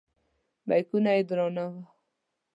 بیکونه یې درانه وو.